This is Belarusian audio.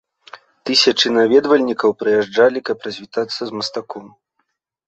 Тысячы наведвальнікаў прыязджалі, каб развітацца з мастаком.